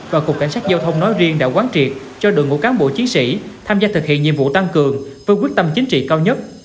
và cục cảnh sát giao thông nói riêng đã quán triệt cho đội ngũ cán bộ chiến sĩ tham gia thực hiện nhiệm vụ tăng cường với quyết tâm chính trị cao nhất